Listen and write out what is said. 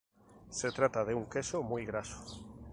Se trata de un queso muy graso.